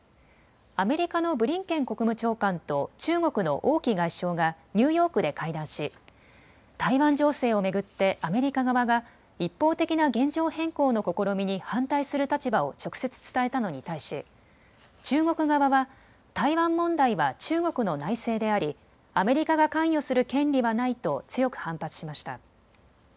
アメリカのブリンケン国務長官と中国の王毅外相がニューヨークで会談し台湾情勢を巡ってアメリカ側が一方的な現状変更の試みに反対する立場を直接伝えたのに対し中国側は台湾問題は中国の内政でありアメリカが関与する権利はないと強く反発しました。